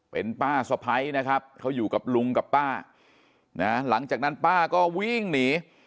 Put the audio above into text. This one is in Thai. เป็นป้าสะพ้ายนะครับเขาอยู่กับลุงกับป้านะหลังจากนั้นป้าก็วิ่งหนี